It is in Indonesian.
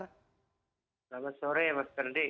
selamat sore mas kendi